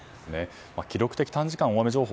記録的短時間大雨情報